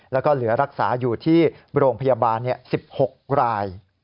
แล้วก็เหลือรักษาอยู่ที่โรงพยาบาล๑๖ราย